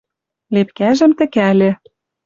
Лепкӓжӹм тӹкӓльӹ.